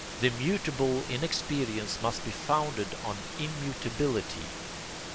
The mutable in experience must be founded on immutability.